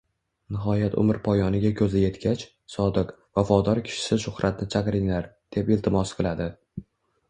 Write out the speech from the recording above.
Nihoyat umr poyoniga ko‘zi yetgach, sodiq, vafodor kishisi Shuhratni chaqiringlar, deb iltimos qiladi.